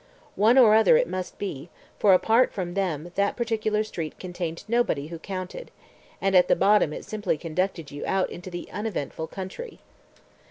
One or other it must be, for apart from them that particular street contained nobody who counted, and at the bottom it simply conducted you out into the uneventful country.